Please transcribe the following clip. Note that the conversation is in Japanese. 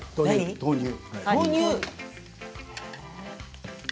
豆乳。